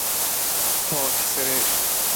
پاک سرشت